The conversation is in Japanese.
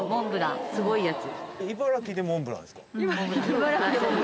すごいやつ。